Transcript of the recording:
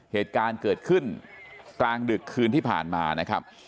เหตุการณ์เกิดขึ้นกลางดึกคืนที่ผ่านมานะครับ